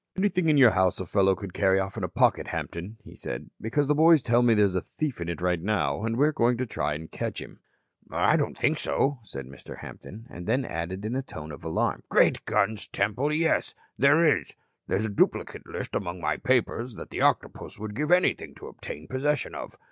"Anything in your house a fellow could carry off in a pocket, Hampton?" he said. "Because the boys tell me there is a thief in it right now, and we're going up to try to catch him." "I don't think so," said Mr. Hampton, and then added in a tone of alarm: "Great guns, Temple, yes. There is. There's a duplicate list among my papers that the Octopus would give anything to obtain possession of.